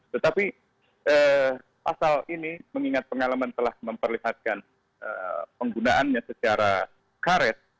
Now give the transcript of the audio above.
tetapi pasal ini mengingat pengalaman telah memperlihatkan penggunaannya secara karet